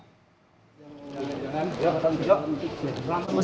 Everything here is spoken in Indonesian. masih meninjau lokasi kecelakaan tunggal bus rosalia indah